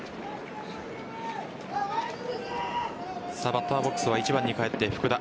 バッターボックスは１番に返って福田。